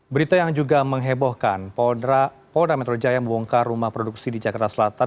berita yang juga menghebohkan polda metro jaya membongkar rumah produksi di jakarta selatan